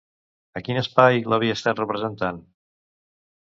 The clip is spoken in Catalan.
A quin espai l'havia estat representant?